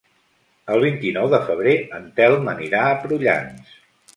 El vint-i-nou de febrer en Telm anirà a Prullans.